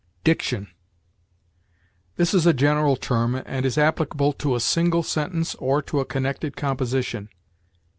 DICTION. This is a general term, and is applicable to a single sentence or to a connected composition.